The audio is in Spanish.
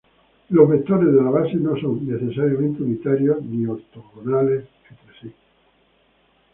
Los vectores de la base no son, necesariamente, unitarios ni ortogonales entre sí.